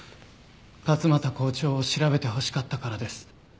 勝又校長を調べてほしかったからです。